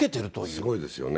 すごいですよね。